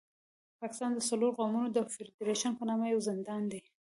پاکستان د څلورو قومونو د فېډرېشن په نامه یو زندان دی.